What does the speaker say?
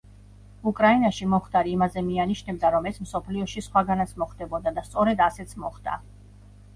უკრაინაში მომხდარი იმაზე მიანიშნებდა, რომ ეს მსოფლიოში სხვაგანაც მოხდებოდა და სწორედ ასეც მოხდა.